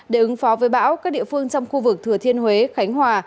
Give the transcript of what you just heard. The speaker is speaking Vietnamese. để ứng phó với bão các địa phương trong khu vực thừa thiên huế khánh hòa